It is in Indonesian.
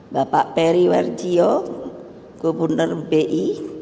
bapak peri wardiyo kepala badan inovasi nasional